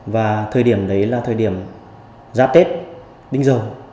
và thời điểm đấy là thời điểm giáp tết đinh giờ